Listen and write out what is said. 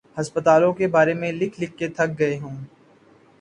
ہسپتالوں کے بارے میں لکھ لکھ کے تھک گئے ہوں۔